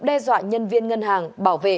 đe dọa nhân viên ngân hàng bảo vệ